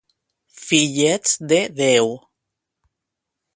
Fillets de Déu!